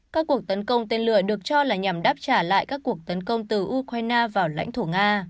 các cuộc tấn công tên lửa được cho là nhằm đáp trả lại các cuộc tấn công từ ukraine vào lãnh thổ nga